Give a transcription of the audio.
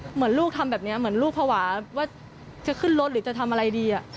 เหมือนลูกทำแบบนี้เหมือนลูกภาวะว่าจะขึ้นรถหรือจะทำอะไรดี